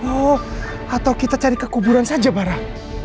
oh atau kita cari ke kuburan saja barah